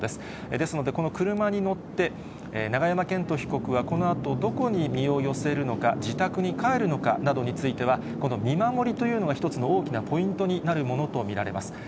ですので、この車に乗って、永山絢斗被告はこのあとどこに身を寄せるのか、自宅に帰るのかなどについては、この見守りというのが一つの大きなポイントになるものと見られます。